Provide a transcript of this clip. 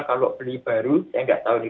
kalau beli baru saya nggak tahu